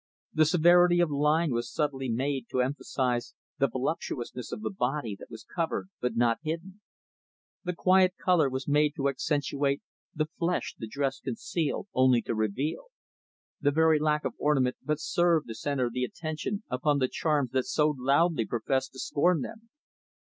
The severity of line was subtly made to emphasize the voluptuousness of the body that was covered but not hidden. The quiet color was made to accentuate the flesh the dress concealed only to reveal. The very lack of ornament but served to center the attention upon the charms that so loudly professed to scorn them.